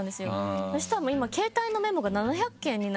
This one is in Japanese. そしたら今。